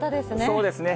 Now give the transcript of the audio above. そうですね。